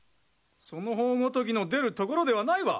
その方ごときの出るところではないわ！